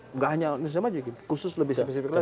nggak hanya indonesia maju khusus lebih spesifik lagi